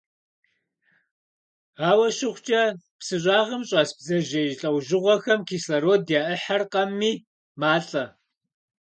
Ауэ щыхъукӀэ, псы щӀагъым щӀэс бдзэжьей лӀэужьыгъуэхэм кислород яӀэрыхьэркъыми, малӀэ.